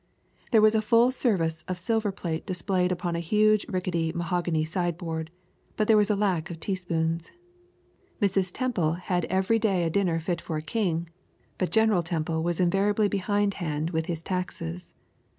There was a full service of silver plate displayed upon a huge and rickety mahogany sideboard, but there was a lack of teaspoons. Mrs. Temple had every day a dinner fit for a king, but General Temple was invariably behindhand with his taxes.